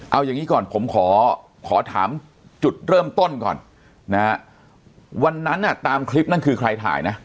เอาอย่างนี้ก่อนผมขอขอถามจุดเริ่มต้นก่อนนะฮะวันนั้นน่ะตามคลิปนั่นคือใครถ่ายนะ